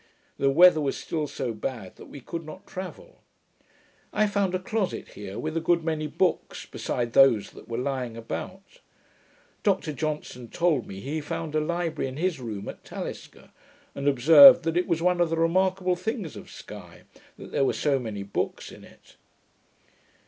The weather was still so bad that we could not travel. I found a closet here, with a good many books, beside those that were lying about. Dr Johnson told me, he found a library in his room at Talisker; and observed, that it was one of the remarkable things of Sky, that there were so many books in it.